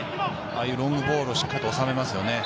ロングボールをしっかり収めますよね。